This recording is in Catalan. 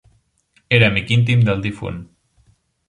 Era amic íntim del difunt